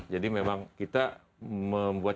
jadi memang kita membuat